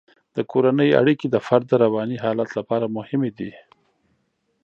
د کورنۍ اړیکې د فرد د رواني حالت لپاره مهمې دي.